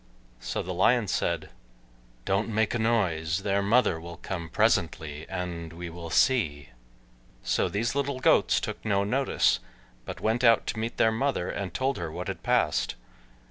So the Lion said, "Don't make a noise; their mother will come presently, and we will see." So these little goats took no notice, but went out to meet their mother, and told her what had passed.